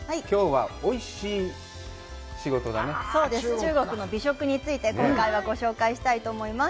中国の美食について、今回はご紹介したいと思います。